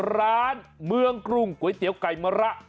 เมืองกรุงก๋วยเตี๋ยวไก่มะระ